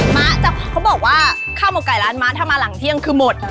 เขาบอกว่าข้าวหมกไก่ร้านม้าถ้ามาหลังเที่ยงคือหมด